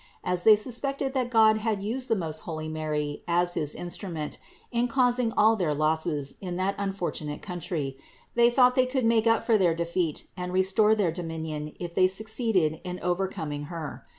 As they suspected that God had used the most holy Mary as his instrument in causing all their losses in that unfortunate country, they thought they could make up for their defeat and restore their dominion if they succeeded in overcoming1 Her.